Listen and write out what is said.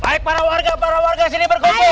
baik para warga para warga sini berkumpul